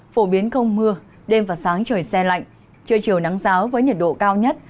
phổ biến không mưa đêm và sáng trời xe lạnh trưa chiều nắng giáo với nhiệt độ cao nhất